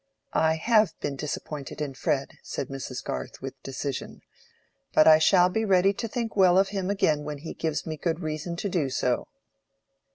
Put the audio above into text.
"I have been disappointed in Fred," said Mrs. Garth, with decision. "But I shall be ready to think well of him again when he gives me good reason to do so."